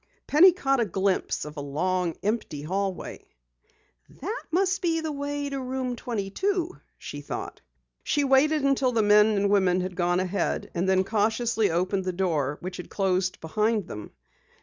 Penny caught a glimpse of a long, empty hallway. "That must be the way to Room 22," she thought. She waited until the men and women had gone ahead, and then cautiously opened the door which had closed behind them.